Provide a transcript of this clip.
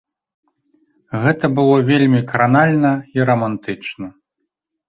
Гэта было вельмі кранальна і рамантычна.